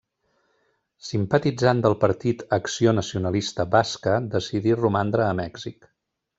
Simpatitzant del partit Acció Nacionalista Basca decidí romandre a Mèxic.